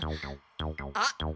あっ！